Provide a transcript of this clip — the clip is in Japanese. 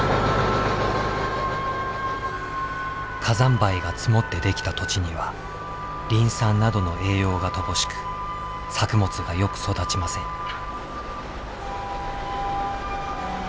火山灰が積もって出来た土地にはリン酸などの栄養が乏しく作物がよく育ちません。